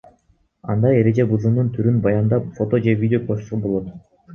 Анда эреже бузуунун түрүн баяндап, фото же видео кошсо болот.